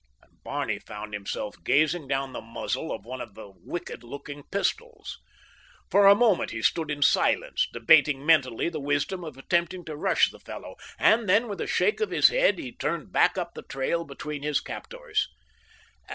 And Barney found himself gazing down the muzzle of one of the wicked looking pistols. For a moment he stood in silence, debating mentally the wisdom of attempting to rush the fellow, and then, with a shake of his head, he turned back up the trail between his captors.